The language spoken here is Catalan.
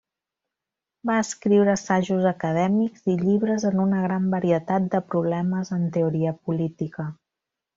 Va escriure assajos acadèmics i llibres en una gran varietat de problemes en teoria política.